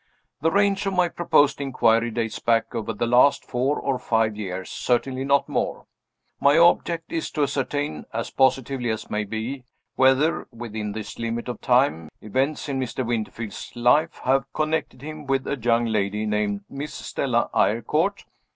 The range of my proposed inquiry dates back over the last four or five years certainly not more. My object is to ascertain, as positively as may be, whether, within this limit of time, events in Mr. Winterfield's life have connected him with a young lady named Miss Stella Eyrecourt.